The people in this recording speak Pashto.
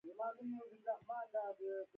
پښتو ته د پام ورکول د ټولنې د یووالي لامل ګرځي.